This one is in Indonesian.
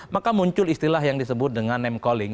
maka muncul istilah yang disebut dengan name calling